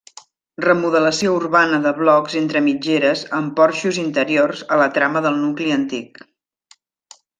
Remodelació urbana de blocs entre mitgeres amb porxos interiors a la trama del nucli antic.